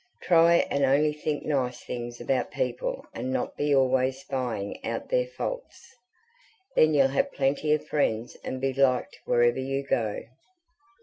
TRY AND ONLY THINK NICE THINGS ABOUT PEOPLE AND NOT BE ALWAYS SPYING OUT THEIR FAULTS. THEN YOU'LL HAVE PLENTY OF FRIENDS AND BE LIKED WHEREVER YOU GO."